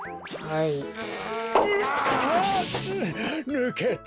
ぬけた。